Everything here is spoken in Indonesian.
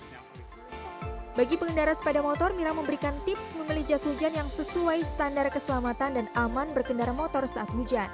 bagi pengendara sepeda motor mira memberikan tips memilih jas hujan yang sesuai standar keselamatan dan aman berkendara motor saat hujan